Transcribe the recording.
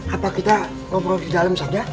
apa kita ngobrol di dalam saja